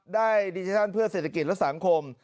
ดิจิทัลเพื่อเศรษฐกิจและสังคม